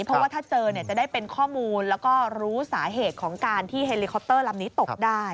เพราะว่าถ้าเจอเนี่ยจะได้เป็นข้อมูลแล้วก็รู้สาเหตุของการที่เฮลิคอปเตอร์ลำนี้ตกได้